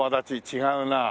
違うな。